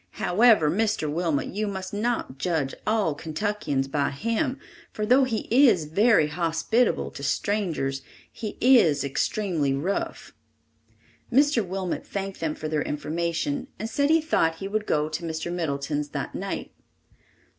However, Mr. Wilmot, you must not judge all Kentuckians by him, for though he is very hospitable to strangers, he is extremely rough." Mr. Wilmot thanked them for their information and said he thought he would go to Mr. Middleton's that night.